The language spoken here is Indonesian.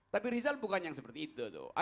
tapi rizal bukan yang seperti itu